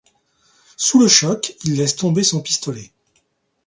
Sous le choc, il laisse tomber son pistolet.